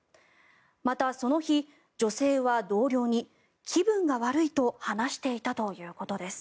また、その日、女性は同僚に気分が悪いと話していたということです。